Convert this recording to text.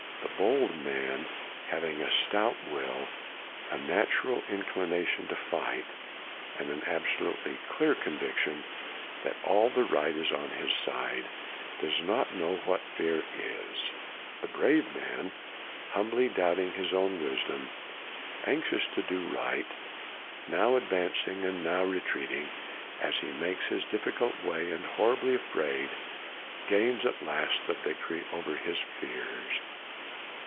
The bold man, having a stout will, a natural inclination to fight, and an absolutely clear conviction that all the right is on his side, does not know what fear is. The brave man, humbly doubting his own wisdom, anxious to do right, now advancing and now re CRANMER 97 treating as he makes his difficult way, and horribly afraid, gains at last the victory over his fears.